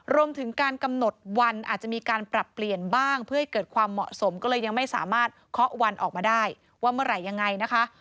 รวมถึงการกำหนดวันอาจจะมีการปรับเปลี่ยนบ้างเพื่อให้เกิดความเหมาะสมก็เลยยังไม่สามารถเคาะวันออกมาได้ว่าเมื่อไหร่ยังไงนะคะ